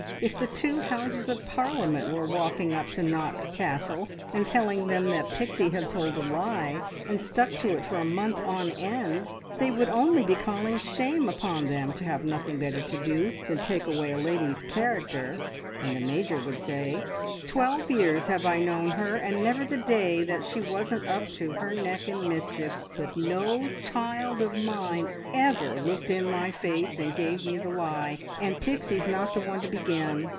If the two Houses of Parliament were walking up to Knock Castle and telling them that Pixie had told a lie and stuck to it for a month on end, they would only be calling shame upon them, to have nothing better to do than take away a lady's character, and the Major would say, `Twelve years have I known her, and never the day that she wasn't up to her neck in mischief, but no child of mine ever looked in my face and gave me the lie, and Pixie's not the one to begin.'